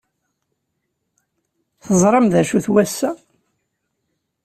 Teẓram d acu-t wass-a?